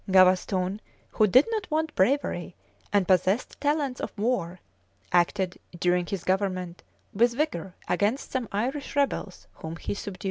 [] Gavaston, who did not want bravery, and possessed talents for war,[] acted, during his government, with vigor against some Irish rebels, whom he subdued.